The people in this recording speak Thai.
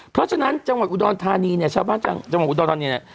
เพราะฉะนั้นจังหวัดอุดรธานีเนี่ยชาวบ้านจังหวัดอุดรธานีเนี่ย